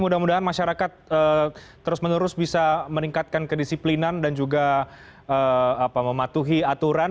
mudah mudahan masyarakat terus menerus bisa meningkatkan kedisiplinan dan juga mematuhi aturan